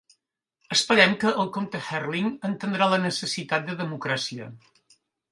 Esperem que el comte Hertling entendrà la necessitat de democràcia.